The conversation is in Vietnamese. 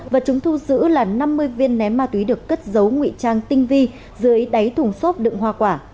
vật chúng thu giữ là năm mươi viên ném ma túy được cất giấu nguy trang tinh vi dưới đáy thùng xốp đựng hoa quả